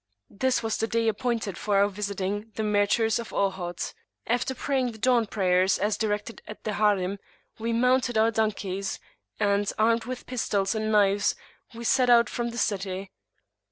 This was the day appointed for our visiting the martyrs of Ohod. After praying the dawn prayers as directed at the Harim, we mounted our donkeys; and, armed with pistols and knives, we set out from the city.